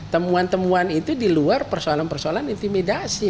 temuan temuan itu di luar persoalan persoalan intimidasi